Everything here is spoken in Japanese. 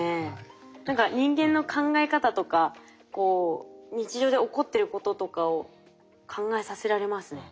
何か人間の考え方とか日常で起こってることとかを考えさせられますね。